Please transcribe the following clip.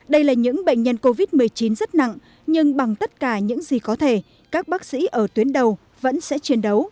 đây là những bệnh nhân covid một mươi chín rất nặng nhưng bằng tất cả những gì có thể các bác sĩ ở tuyến đầu vẫn sẽ chiến đấu